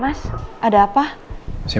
mas al aku punyachin